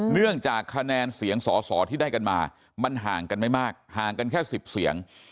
เนื่องจากคะแนนเสียงสอสอที่ได้กันมามันห่างกันไม่มากห่างกันแค่๑๐เสียง